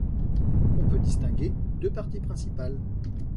On peut distinguer deux parties principales.